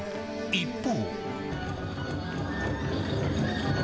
一方。